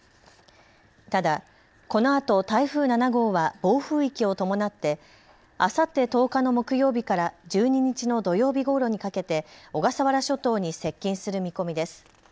ただ、このあと台風７号は暴風域を伴ってあさって１０日の木曜日から１２日の土曜日ごろにかけて小笠原諸島に接近する見込みです。